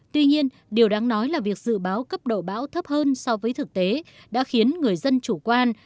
tuy nhiên điều đáng nói là việc dự báo cấp độ bão thấp hơn so với thực tế đã khiến người dân chủ quan